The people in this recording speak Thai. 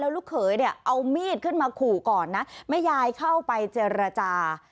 ลูกเขยเนี่ยเอามีดขึ้นมาขู่ก่อนนะแม่ยายเข้าไปเจรจา